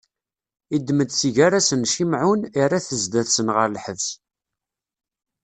Iddem-d si gar-asen Cimɛun, irra-t zdat-nsen ɣer lḥebs.